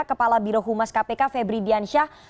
kepala birohumas kpk febri diansyah